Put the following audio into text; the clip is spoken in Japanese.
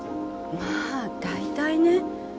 まあ大体ね。